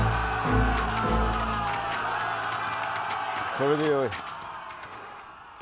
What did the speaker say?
それでよい。